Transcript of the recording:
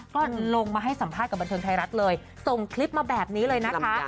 ก็ลงมาให้สัมภาษณ์กับบันเทิงไทยรัฐเลยส่งคลิปมาแบบนี้เลยนะคะ